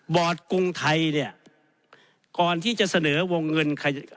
กรุงไทยเนี่ยก่อนที่จะเสนอวงเงิน